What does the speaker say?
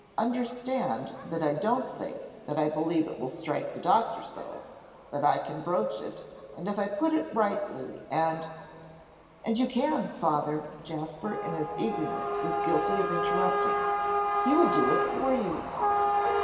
Understand that I don't say that I believe it will strike the Doctor so; but I can broach it, and if I put it rightly, and " "And you can, Father," Jasper in his eagerness was guilty of interrupting; "he will do it for you."